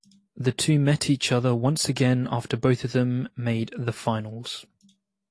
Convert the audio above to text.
The two met each other once again after both of them made the finals.